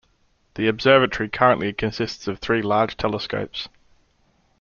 The observatory currently consists of three large telescopes.